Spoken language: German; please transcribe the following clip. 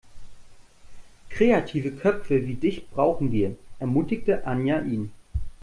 Kreative Köpfe wie dich brauchen wir, ermutigte Anja ihn.